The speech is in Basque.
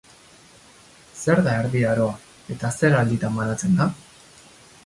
Zer da Erdi Aroa, eta zer alditan banatzen da?